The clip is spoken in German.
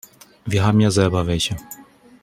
Wir haben ja selber welche.